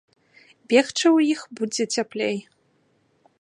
Бегчы ў іх будзе цяплей.